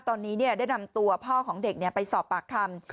ตอนนี้ได้นำตัวพ่อของเด็กไปสอบปากคำ